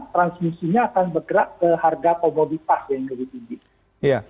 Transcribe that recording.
transmisinya akan bergerak ke harga komoditas yang lebih tinggi